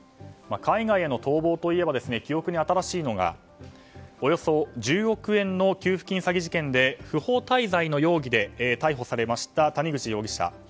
海外への逃亡といえば記憶に新しいのがおよそ１０億円の給付金詐欺事件で不法滞在の容疑で逮捕されました谷口容疑者。